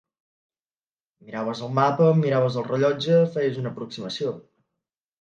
Miraves el mapa, miraves el rellotge, feies una aproximació.